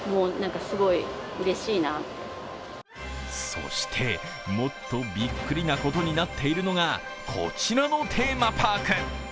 そして、もっとびっくりなことになっているのが、こちらのねーまパーク。